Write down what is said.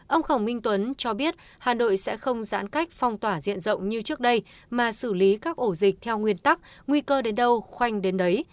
ông khổng minh tuấn cho biết hà nội sẽ không giãn cách phong tỏa diện rộng như trước đây mà xử lý các ổ dịch theo nguyên tắc nguy cơ đến đâu khoanh đến đấy